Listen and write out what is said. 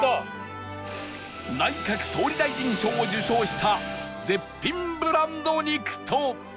内閣総理大臣賞を受賞した絶品ブランド肉と